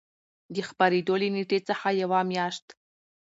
د خپرېدو له نېټې څخـه یـوه میاشـت